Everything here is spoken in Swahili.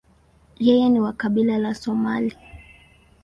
Yeye ni wa kabila la Somalia.